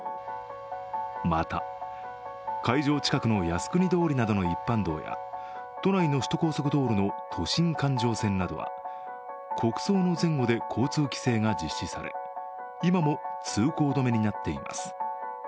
また、会場近くの靖国通りなどの一般道や都内の首都高速道路の都心環状線などは国葬の前後で交通規制が実施され、今も通行止めになっています。